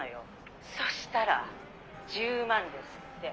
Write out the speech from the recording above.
そしたら１０万ですって。